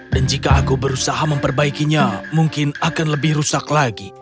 dan jika aku berusaha memperbaikinya mungkin akan lebih rusak lagi